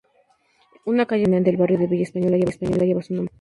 Una calle montevideana del barrio Villa Española lleva su nombre.